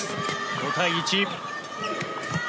５対１。